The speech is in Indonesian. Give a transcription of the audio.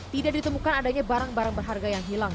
tidak ditemukan adanya barang barang berharga yang hilang